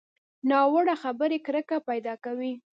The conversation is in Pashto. ناوړه خبرې کرکه پیدا کوي